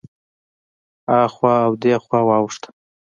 هخوا او دېخوا واوښته.